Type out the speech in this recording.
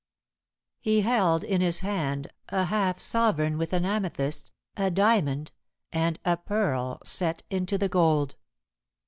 He held in his hand a half sovereign with an amethyst, a diamond, and a pearl set into the gold.